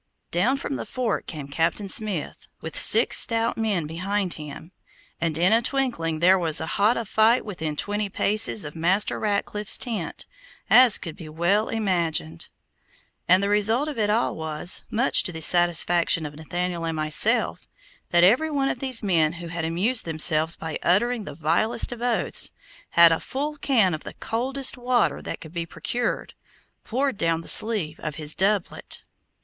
Down from the fort came Captain Smith, with six stout men behind him, and in a twinkling there was as hot a fight within twenty paces of Master Ratcliffe's tent, as could be well imagined. And the result of it all was, much to the satisfaction of Nathaniel and myself, that every one of these men who had amused themselves by uttering the vilest of oaths, had a full can of the coldest water that could be procured, poured down the sleeve of his doublet.